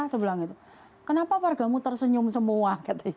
aku bilang gitu kenapa wargamu tersenyum semua